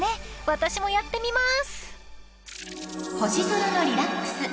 ［私もやってみます！］